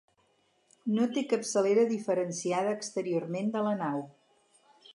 No té capçalera diferenciada exteriorment de la nau.